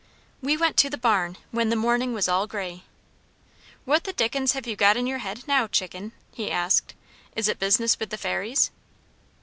We went to the barn when the morning was all gray. "What the dickens have you got in your head now, Chicken?" he asked. "Is it business with the Fairies?"